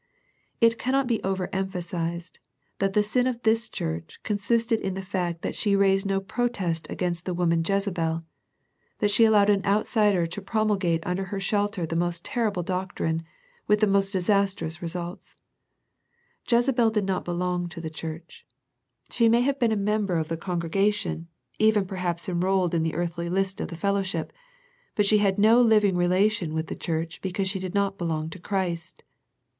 It cannot be over emphasized that the sin of this church consisted in the fact that she raised no protest against the woman Jezebel, that she allowed an outsider to pro mulgate under her shelter the most terrible doctrine, with the most disastrous results. Jezebel did not belong to the church. She may have been a member of the congrega 1 1 8 A First Century Message tion, even perhaps enrolled on the earthly list of the fellowship, but she had no living re lation with the church because she did not be long to Christ.